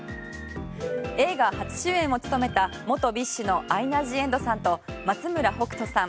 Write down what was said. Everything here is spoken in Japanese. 映画初主演を務めた元ＢｉＳＨのアイナ・ジ・エンドさんと松村北斗さん